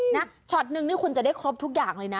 ช็อตนึงนี่คุณจะได้ครบทุกอย่างเลยนะ